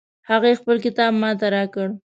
هغې خپل کتاب ما ته راکړ